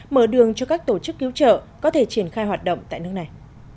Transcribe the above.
mở đường cho các tổ chức cứu trợ có thể triển khai hoạt động tại nước này